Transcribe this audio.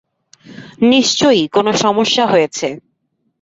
নিশ্চয়ই কোনো সমস্যা হয়েছে।